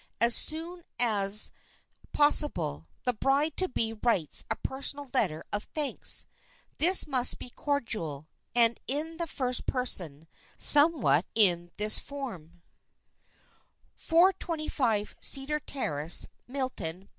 As soon as possible, the bride to be writes a personal letter of thanks. This must be cordial, and in the first person, somewhat in this form: "425 Cedar Terrace, Milton, Pa.